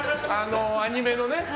アニメのね。